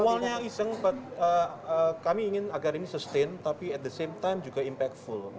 awalnya iseng kami ingin agar ini sustain tapi at the same time juga impact full